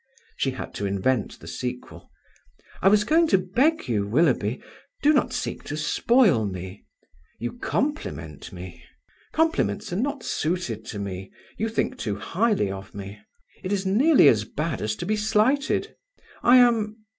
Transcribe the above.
She had to invent the sequel. "I was going to beg you, Willoughby, do not seek to spoil me. You compliment me. Compliments are not suited to me. You think too highly of me. It is nearly as bad as to be slighted. I am